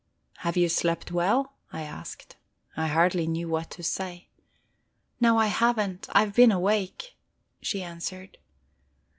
"Have you slept well?" I asked. I hardly knew what to say. "No, I haven't. I have been awake," she answered.